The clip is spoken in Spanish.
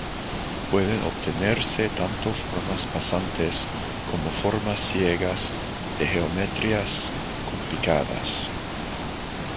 Pueden obtenerse tanto formas pasantes como formas ciegas de geometrías complicadas.